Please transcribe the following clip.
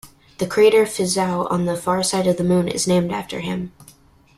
The crater Fizeau on the far side of the Moon is named after him.